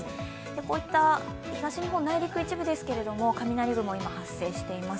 こういった東日本、内陸一部ですが雷雲、今、発生しています。